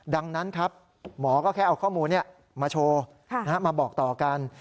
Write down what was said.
ดังนั้นครับหมอก็แค่เอาข้อมูลนี้มาโชว์มาบอกต่อกัน